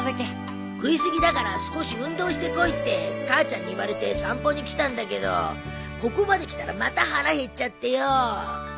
食い過ぎだから少し運動してこいって母ちゃんに言われて散歩に来たんだけどここまで来たらまた腹減っちゃってよ。